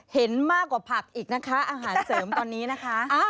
เห็นมากกว่าผักอีกนะคะอาหารเสริมตอนนี้นะคะ